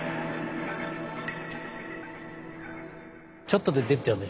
ちょっと出てっちゃうね。